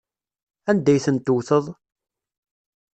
Anda ay tent-tewteḍ?